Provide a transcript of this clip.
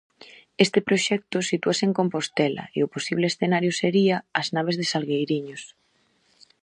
Este proxecto sitúase en Compostela, e o posible escenario sería as naves de Salgueiriños.